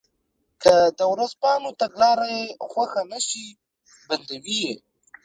که د ورځپاڼو تګلاره یې خوښه نه شي بندوي یې.